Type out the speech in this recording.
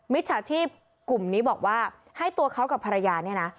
จฉาชีพกลุ่มนี้บอกว่าให้ตัวเขากับภรรยาเนี่ยนะ